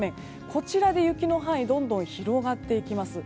こちらで雪の範囲どんどん広がっていきます。